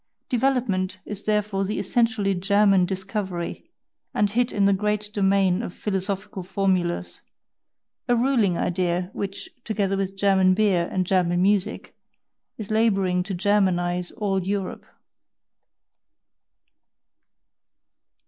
"Development" is therefore the essentially German discovery and hit in the great domain of philosophical formulas, a ruling idea, which, together with German beer and German music, is labouring to Germanise all Europe.